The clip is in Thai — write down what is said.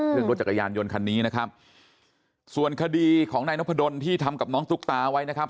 รถจักรยานยนต์คันนี้นะครับส่วนคดีของนายนพดลที่ทำกับน้องตุ๊กตาไว้นะครับ